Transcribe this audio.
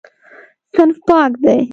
صنف پاک دی.